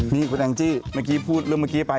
นี่คุณแองจี้เมื่อกี้พูดเรื่องเมื่อกี้ไป